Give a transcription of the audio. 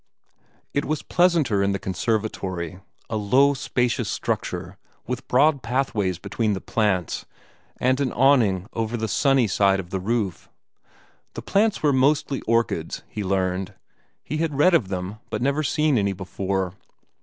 It was pleasanter in the conservatory a low, spacious structure with broad pathways between the plants, and an awning over the sunny side of the roof. The plants were mostly orchids, he learned. He had read of them, but never seen any before.